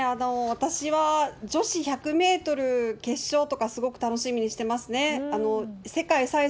私は女子１００メートル決勝とか、すごく楽しみにしてますね。